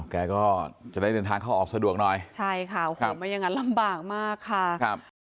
แกก็จะได้เดินทางเข้าออกสะดวกหน่อยใช่ค่ะโอ้โหไม่อย่างนั้นลำบากมากค่ะครับ